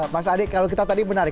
mas adi kalau kita tadi menarik